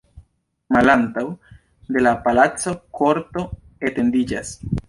Malantaŭ de la palaco korto etendiĝas.